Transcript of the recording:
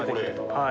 はい。